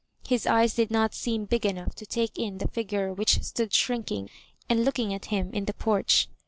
His eyes did not seem big enough to take in the figure which stood shrinking and looking at him in the porch.